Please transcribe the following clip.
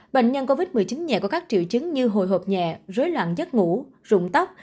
bệnh nhân covid một mươi chín nhẹ có các triệu chứng như hồi hộp nhẹ rối loạn giấc ngủ rụng tóc